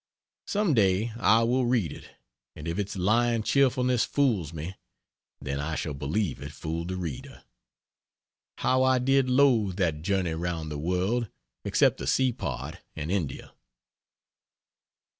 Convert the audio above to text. Some day I will read it, and if its lying cheerfulness fools me, then I shall believe it fooled the reader. How I did loathe that journey around the world! except the sea part and India.